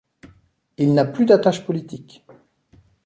Il n'a plus d'attaches politiques.